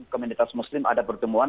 komunitas muslim ada pertemuan